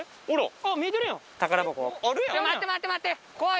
待って待って待って！